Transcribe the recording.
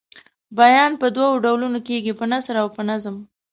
بیان په دوو ډولونو کیږي په نثر او په نظم.